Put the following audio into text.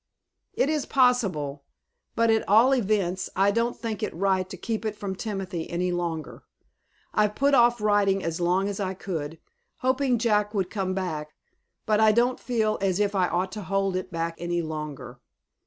"It is possible; but, at all events, I don't think it right to keep it from Timothy any longer. I've put off writing as long as I could, hoping Jack would come back, but I don't feel as if I ought to hold it back any longer.